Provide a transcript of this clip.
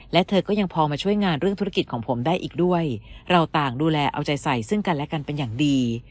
และเธอก็ยังพอมาช่วยงานเรื่องธุรกิจของผมได้อีกด้วยเราต่างดูแลเอาใจใส่ซึ่งกันและกันเป็นอย่างดี